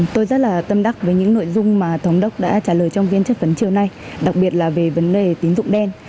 tôi rất là tâm đắc với những nội dung mà thống đốc đã trả lời trong viên chất vấn chiều nay đặc biệt là về vấn đề tín dụng đen